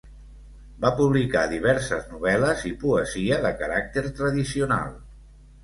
Va publicar diverses novel·les i poesia, de caràcter tradicional.